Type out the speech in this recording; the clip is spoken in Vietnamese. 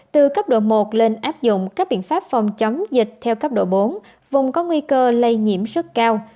từ cấp độ một lên áp dụng các biện pháp phòng chống dịch theo cấp độ bốn vùng có nguy cơ lây nhiễm rất cao